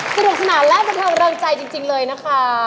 สนุกสนานและจะทำเรื่องใจจริงเลยนะคะ